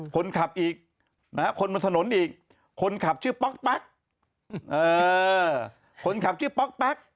คนขับอีกนะฮะคนบนถนนอีกคนขับชื่อป๊อกแป๊กคนขับชื่อป๊อกแป๊ก